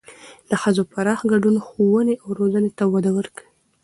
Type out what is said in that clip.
د ښځو پراخ ګډون ښوونې او روزنې ته وده ورکوي.